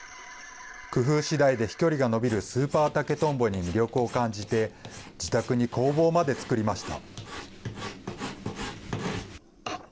工夫しだいで飛距離が伸びるスーパー竹とんぼに魅力を感じて、自宅に工房まで作りました。